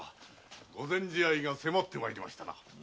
御前試合が迫って参りましたな。